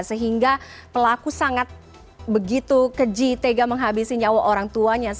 sehingga pelaku sangat begitu keji tega menghabisi nyawa orang tuanya